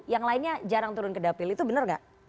yang lainnya jarang turun ke dapil itu benar nggak